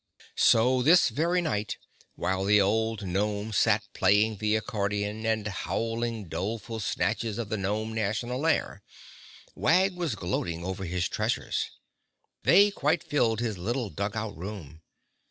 So this very night, while the old gnome sat playing the accordion and howling doleful snatches of the Gnome National Air, Wag was gloating over his treasures. They quite filled his little dug out room.